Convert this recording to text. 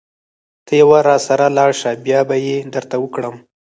ته يوارې راسره لاړ شه بيا به يې درته وکړم.